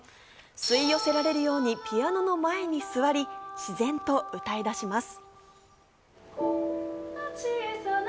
吸い寄せられるようにピアノの前に座り、自然と歌い出します。